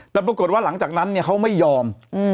แต่ปรากฏว่าหลังจากนั้นเขาไม่ยอม